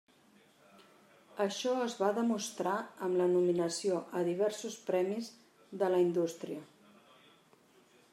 Això es va demostrar amb la nominació a diversos premis de la indústria.